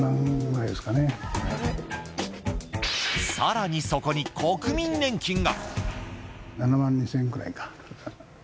更に、そこに国民年金が。